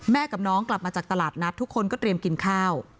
กับน้องกลับมาจากตลาดนัดทุกคนก็เตรียมกินข้าว